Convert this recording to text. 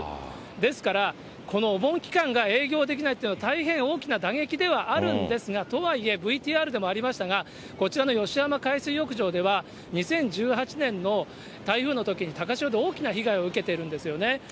ですから、このお盆期間が営業できないというのは、大変大きな打撃ではあるんですが、とはいえＶＴＲでもありましたが、こちらの吉浜海水浴場では、２０１８年の台風のときに高潮で大きな被害を受けているんですよね。